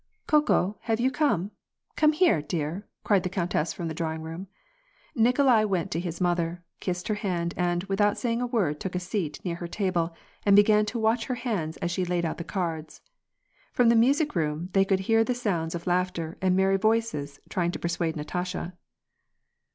" Koko, have you come ? Come here, dear !" cried the countess from the drawing room. Nikolai went to his mother, kissed her hand, and, without saying a word, took a seat near her table and began to watch her hands as she laid out the cards. From the music room they could hear the sounds of laoghter, and merry voices trying to persuade Natasha.